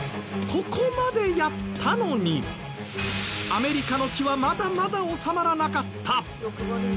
ここまでやったのにアメリカの気はまだまだ収まらなかった。